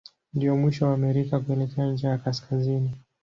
Ndio mwisho wa Amerika kuelekea ncha ya kaskazini.